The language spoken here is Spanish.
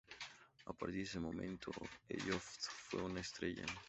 A partir de ese momento, Elliott fue una estrella.